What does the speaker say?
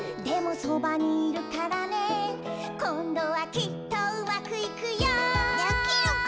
「でもそばにいるからねこんどはきっとうまくいくよ！」